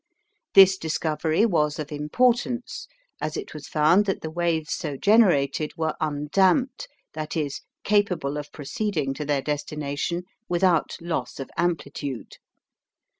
This discovery was of importance, as it was found that the waves so generated were undamped, that is, capable of proceeding to their destination without loss of amplitude.